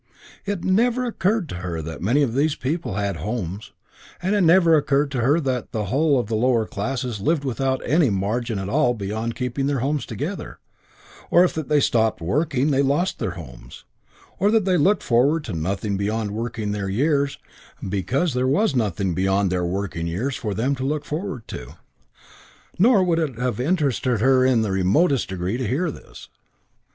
It never occurred to her that any of these people had homes and it never occurred to her that the whole of the lower classes lived without any margin at all beyond keeping their homes together, or that if they stopped working they lost their homes, or that they looked forward to nothing beyond their working years because there was nothing beyond their working years for them to look forward to. Nor would it have interested her in the remotest degree to hear this.